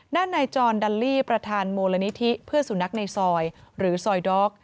นั่นนายจอร์นดัลลี่ประธานโมลนิธิเพื่อสูญนักในซอยหรือซอยดอก